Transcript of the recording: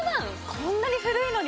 こんなに古いのに？